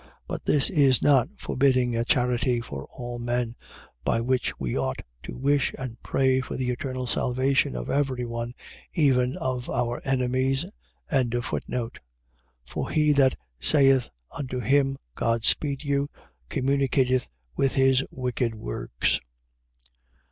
But this is not forbidding a charity for all men, by which we ought to wish and pray for the eternal salvation of every one, even of our enemies. 1:11. For he that saith unto him: God speed you, communicateth with his wicked works.